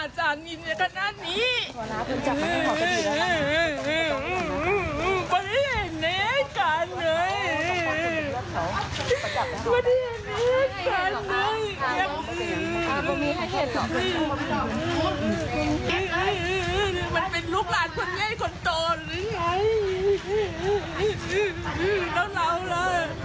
ถ้าคิดต่อของมันเงี้ยของกูเจ้าบ้างมึงมันเป็นยังไงมันไม่ช่วยมันจังนะ